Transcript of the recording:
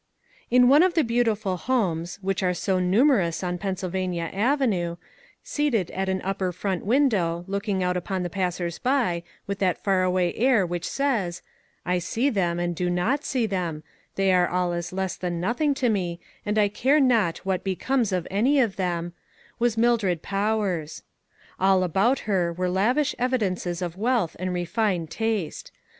IN one of the beautiful homes, which are numerous on Pennsylvania Avenue, seated at an upper front window, looking out upon the passers by, with that far away air which says, "I see them and do not see them ; they are all as less than nothing to me, and I care not what be comes of any of them," was Mildred Powers. All about her were lavish evidences of wealth and refined taste.